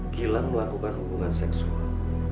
gilang melakukan hubungan seksual